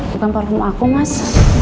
bukan parfum aku mas